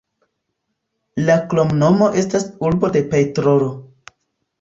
La kromnomo estas "urbo de petrolo".